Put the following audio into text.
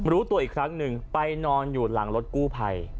รู้ตัวอีกครั้งหนึ่งไปนอนอยู่หลังรถกู้ภัย